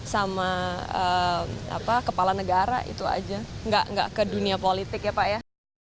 sama kepala negara itu aja nggak ke dunia politik ya pak ya